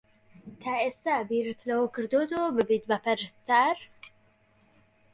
تا ئێستا بیرت لەوە کردووەتەوە ببیت بە پەرستار؟